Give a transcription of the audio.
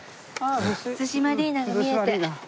逗子マリーナが見えて。